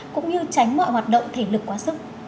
cũng như tránh mọi hoạt động thể lực quá sức